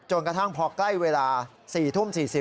กระทั่งพอใกล้เวลา๔ทุ่ม๔๐